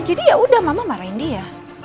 ya udah mama marahin dia